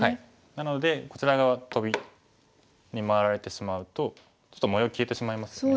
なのでこちら側トビに回られてしまうとちょっと模様消えてしまいますよね。